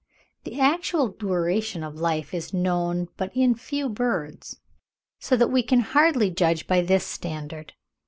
The actual duration of life is known in but few birds, so that we can hardly judge by this standard.